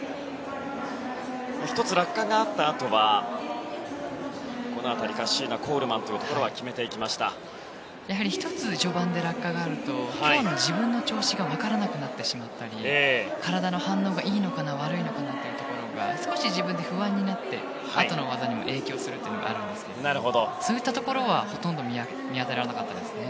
１つ、落下があったあとはカッシーナコールマンというところは１つ、序盤で落下があると今日の自分の調子が分からなくなってしまったり体の反応がいいのかな悪いのかなというところが少し自分で不安になってあとの技にも影響することがあるんですけどそういったところは、ほとんど見当たらなかったですね。